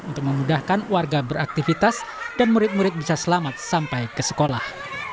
untuk memudahkan warga beraktivitas dan murid murid bisa selamat sampai ke sekolah